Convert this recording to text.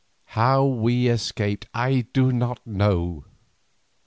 How we escaped I do not know.